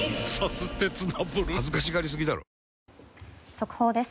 速報です。